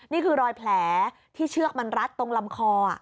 นี่คือรอยแผลที่เชือกมันรัดตรงลำคอ